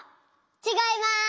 ちがいます。